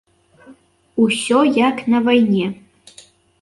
Усё, як на вайне.